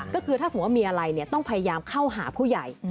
ก็คือถ้าสมมุติว่ามีอะไรต้องพยายามเข้าหาผู้ใหญ่